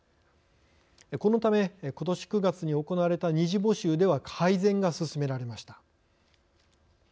このため、ことし９月に行われた２次募集では改善が進められました。